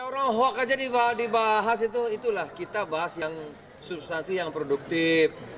orang hoax aja dibahas itulah kita bahas yang substansi yang produktif